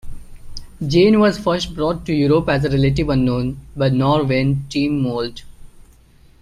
Zane was first brought to Europe as a relative unknown by Norwegian team Molde.